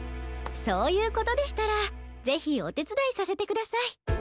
そういうことでしたらぜひおてつだいさせてください。